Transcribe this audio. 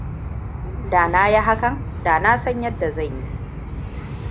Da na yi hakan da na san yadda zan yi.